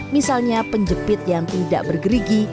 misalnya penjepit yang tidak bergerigi